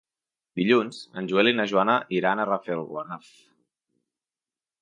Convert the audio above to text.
Dilluns en Joel i na Joana iran a Rafelguaraf.